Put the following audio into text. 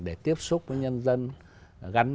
để tiếp xúc với nhân dân